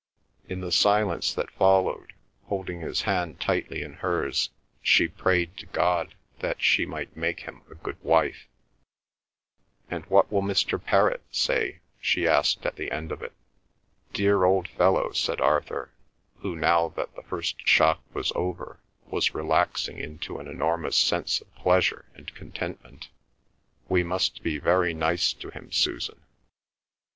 In the silence that followed, holding his hand tightly in hers, she prayed to God that she might make him a good wife. "And what will Mr. Perrott say?" she asked at the end of it. "Dear old fellow," said Arthur who, now that the first shock was over, was relaxing into an enormous sense of pleasure and contentment. "We must be very nice to him, Susan."